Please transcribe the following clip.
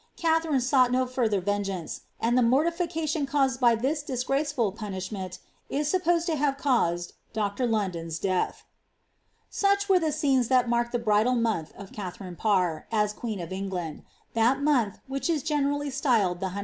Katharine further vengeance ; and the mortitication caused by this dis mishment is supposed to have caused Dr. London's deaih.' >re the scenes that marked the bridal month of Katharine leen of England — that month which is generally styled the n.